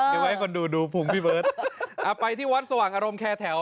เดี๋ยวไว้คนดูดูภูมิพี่เบิร์ตอ่าไปที่วัดสว่างอารมณ์แคร์แถว